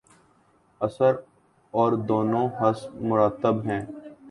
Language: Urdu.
اثر اور دونوں حسب مراتب ہیں۔